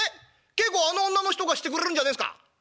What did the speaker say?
稽古あの女の人がしてくれるんじゃねえっすか？」。